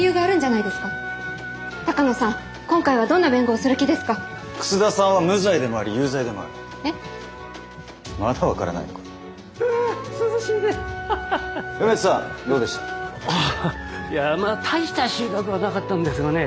いや大した収穫はなかったんですがね